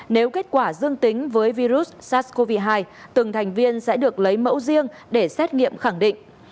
nếu kết quả dương tính với virus sars cov hai từng thành viên sẽ được lấy mẫu riêng để xét nghiệm khẳng định